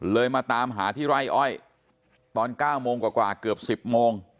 มาตามหาที่ไร่อ้อยตอน๙โมงกว่าเกือบ๑๐โมง